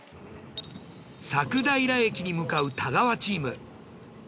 佐久平駅に向かう太川チーム。